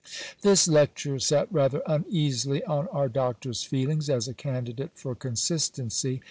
This lecture sat rather uneasily on our doctor's feelings, as a candidate for consistency.